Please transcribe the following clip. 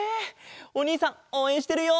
おにいさんおうえんしてるよ！